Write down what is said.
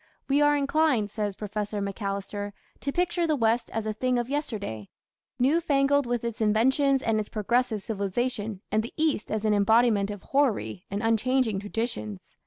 "We are inclined", says Professor Macalister, "to picture the West as a thing of yesterday, new fangled with its inventions and its progressive civilization, and the East as an embodiment of hoary and unchanging traditions.